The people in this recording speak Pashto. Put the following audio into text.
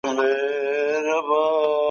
د کولمو ناروغي د زینک جذب ګډوډوي.